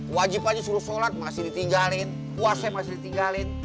wajib aja suruh sholat masih ditinggalin puasnya masih ditinggalin